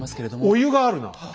「お湯」があるな。